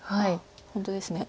本当ですね。